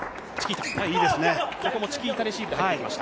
ここもチキータレシーブで入っていきます。